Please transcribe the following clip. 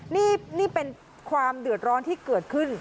นี่เป็นความเดือดร้อนที่เกิดขึ้น